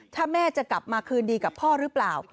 ถ้าแม่จะกลับมาคืนดีกับพ่อหรือเปล่า